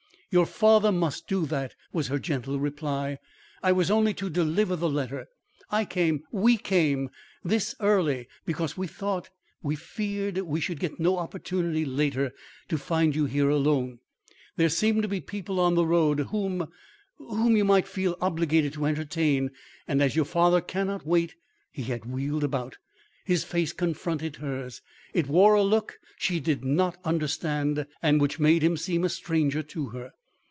"Your father must do that," was her gentle reply. "I was only to deliver the letter. I came we came thus early, because we thought we feared we should get no opportunity later to find you here alone. There seem to be people on the road whom whom you might feel obliged to entertain and as your father cannot wait " He had wheeled about. His face confronted hers. It wore a look she did not understand and which made him seem a stranger to her.